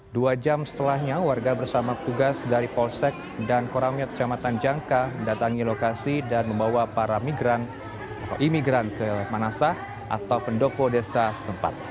dua jam setelahnya warga bersama tugas dari polsek dan koranget jammatan jangka datangi lokasi dan membawa para imigran ke manasah atau pendokbo desa setempat